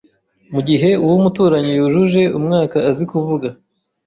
mu gihe uw’umuturanyi yujuje umwaka azi kuvuga